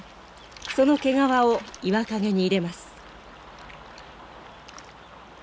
その毛皮を岩陰に入れます。